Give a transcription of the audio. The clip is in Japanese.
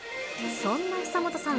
そんな久本さん、